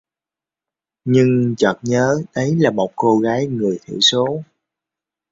Nhưng chợt nhớ đấy là một cô gái người thiểu số